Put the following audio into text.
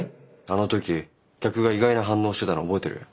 あの時客が意外な反応してたの覚えてる？